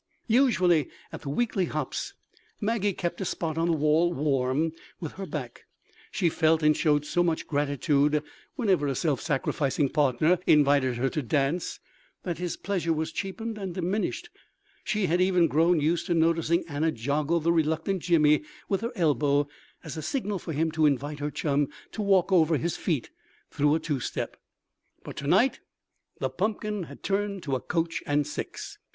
Usually at the weekly hops Maggie kept a spot on the wall warm with her back. She felt and showed so much gratitude whenever a self sacrificing partner invited her to dance that his pleasure was cheapened and diminished. She had even grown used to noticing Anna joggle the reluctant Jimmy with her elbow as a signal for him to invite her chum to walk over his feet through a two step. But to night the pumpkin had turned to a coach and six.